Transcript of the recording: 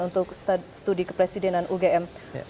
untuk studi kepresidenan ugm